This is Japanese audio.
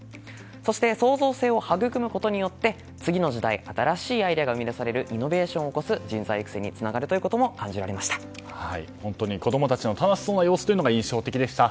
そして、創造性を育むことで次の時代新しいアイデアが生み出されるイノベーションを作る人材育成を子どもたちの楽しそうな様子が印象的でした。